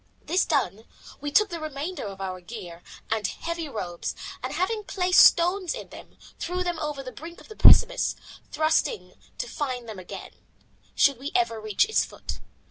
This done, we took the remainder of our gear and heavy robes and, having placed stones in them, threw them over the brink of the precipice, trusting to find them again, should we ever reach its foot.